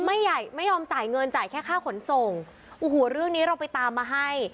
ไม่ใหญ่ไม่ยอมจ่ายเงินจ่ายแค่ค่าขนส่งโอ้โหเรื่องนี้เราไปตามมาให้